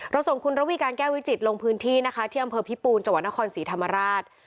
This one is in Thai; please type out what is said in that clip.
ส่งคุณระวีการแก้ววิจิตรลงพื้นที่นะคะที่อำเภอพิปูนจังหวัดนครศรีธรรมราช